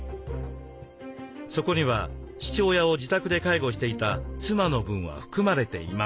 そこには父親を自宅で介護していた妻の分は含まれていません。